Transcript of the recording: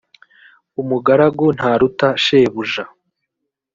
umugaragu ntaruta shebuja